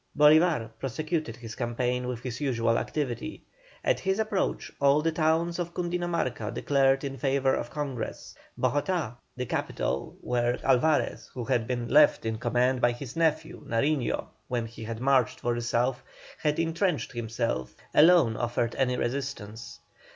Bolívar prosecuted his campaign with his usual activity. At his approach all the towns of Cundinamarca declared in favour of Congress; Bogotá, the capital, where Alvarez, who had been left in command by his nephew, Nariño, when he marched for the South, had entrenched himself, alone offered any resistance.